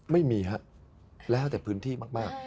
ไม่มีฮะแล้วแต่พื้นที่มาก